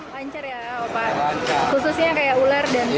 lancer ya opat khususnya kayak ular dan paniki